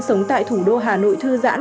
sống tại thủ đô hà nội thư giãn